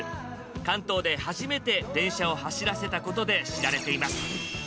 関東で初めて電車を走らせたことで知られています。